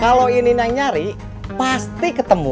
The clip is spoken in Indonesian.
kalau ini yang nyari pasti ketemu